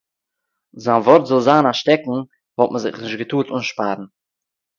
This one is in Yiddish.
זײַן וואָרט זאָל זײַן אַ שטעקן, וואָלט מען זיך ניט געטאָרט אָנשפּאַרן.